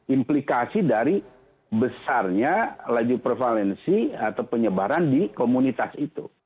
implikasi dari besarnya laju prevalensi atau penyebaran di komunitas itu